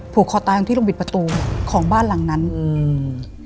ผูกคอตายตรงที่โรงบิดประตูของบ้านหลังนั้นอืม